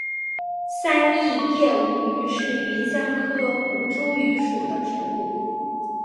三刈叶吴萸是芸香科吴茱萸属的植物。